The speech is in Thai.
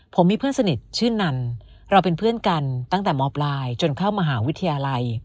ผมมีเพื่อนสนิทชื่อนันเราเป็นเพื่อนกันตั้งแต่มปลายจนเข้ามหาวิทยาลัย